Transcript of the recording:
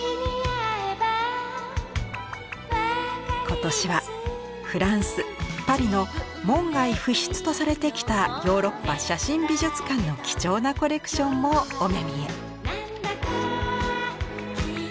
今年はフランスパリの門外不出とされてきたヨーロッパ写真美術館の貴重なコレクションもお目見え。